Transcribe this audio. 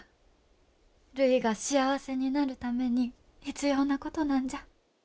るいが幸せになるために必要なことなんじゃ。